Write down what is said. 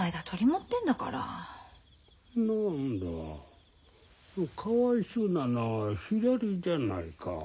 何だかわいそうなのはひらりじゃないか。